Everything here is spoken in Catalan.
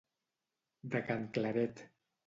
De can Claret.